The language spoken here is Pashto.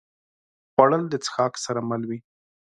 خوړل د څښاک سره مل وي